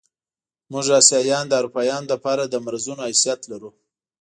موږ اسیایان د اروپایانو له پاره د مرضونو حیثیت لرو.